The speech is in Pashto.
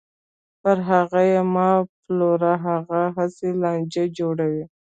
پر هغوی یې مه پلوره، هغوی هسې لانجې جوړوي.